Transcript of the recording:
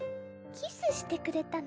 キスしてくれたの。